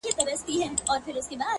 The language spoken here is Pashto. څوک چي ونو سره شپې کوي؛